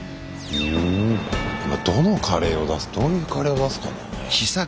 どのカレーを出すどういうカレーを出すかだよね。